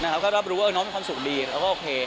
ก็รับรู้ว่าน้องมีความสุขดีแล้วก็โอเค